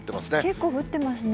結構降ってますね。